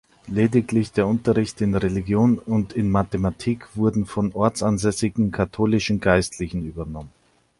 Lediglich der Unterricht in Religion und in Mathematik wurden von ortsansässigen katholischen Geistlichen übernommen.